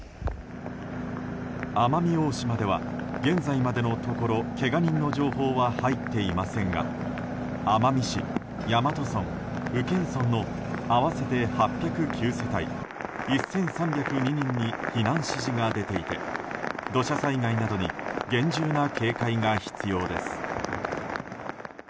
奄美大島では現在のところけが人の情報は入っていませんが奄美市、大和村、宇検村の合わせて８０９世帯１３０２人に避難指示が出ていて土砂災害などに厳重な警戒が必要です。